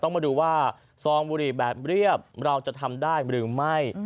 มาดูว่าซองบุหรี่แบบเรียบเราจะทำได้หรือไม่